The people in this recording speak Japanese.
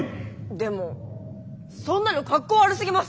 でもそんなのかっこ悪すぎます。